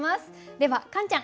ではカンちゃん！